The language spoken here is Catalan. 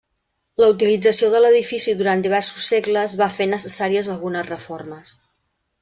La utilització de l'edifici durant diversos segles va fer necessàries algunes reformes.